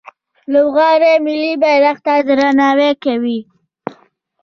لوبغاړي ملي بیرغ ته درناوی کوي.